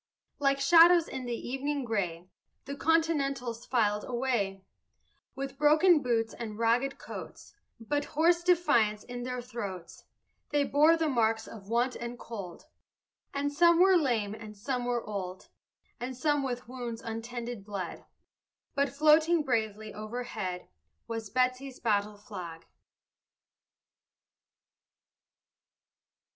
Like shadows in the evening gray The Continentals filed away, With broken boots and ragged coats, But hoarse defiance in their throats; They bore the marks of want and cold, And some were lame and some were old, And some with wounds untended bled, But floating bravely overhead Was Betsy's battle flag.